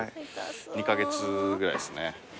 ２カ月ぐらいですね。